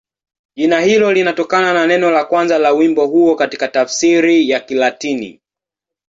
Jina hilo linatokana na neno la kwanza la wimbo huo katika tafsiri ya Kilatini.